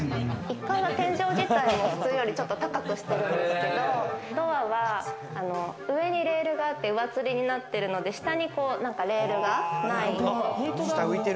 １階の天井自体を普通よりも高くしているんですけど、ドアは上にレールがあって、上つりになっているので下にレールがない。